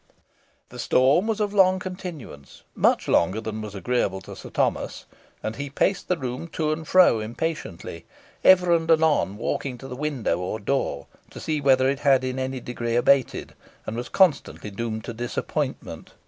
The storm was of long continuance, much longer than was agreeable to Sir Thomas, and he paced the room to and fro impatiently, ever and anon walking to the window or door, to see whether it had in any degree abated, and was constantly doomed to disappointment.